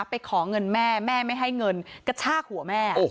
ไปขอเงินแม่แม่ไม่ให้เงินกระชากหัวแม่